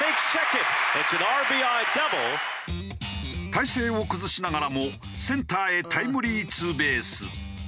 体勢を崩しながらもセンターへタイムリーツーベース。